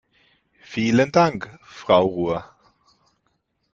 Vielen Dank, Frau Roure!